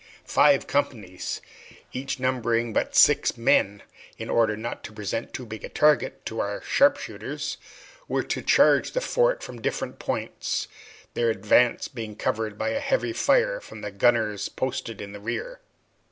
Five companies, each numbering but six men, in order not to present too big a target to our sharpshooters, were to charge the fort from different points, their advance being covered by a heavy fire from the gunners posted in the rear.